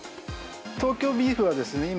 東京ビーフはですね、今、